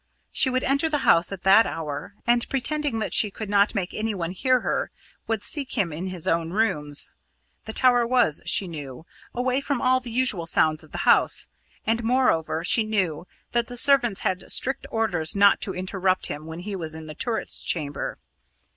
She would enter the house at that hour, and, pretending that she could not make anyone hear her, would seek him in his own rooms. The tower was, she knew, away from all the usual sounds of the house, and moreover she knew that the servants had strict orders not to interrupt him when he was in the turret chamber.